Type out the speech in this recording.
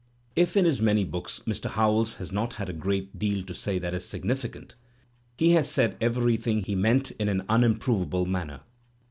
If in his many books Mr. Howells has not had a great deal to say that is significant, he has said everything he meant in an unimprovable manner.